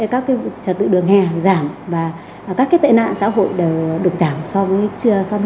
các trật tự đường hè giảm và các tệ nạn xã hội đều được giảm so với trước đây